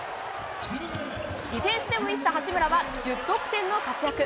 ディフェンスでも見せた八村は１０得点の活躍。